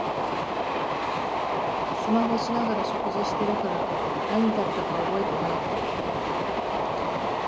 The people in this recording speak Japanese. スマホしながら食事してるから何食べたか覚えてない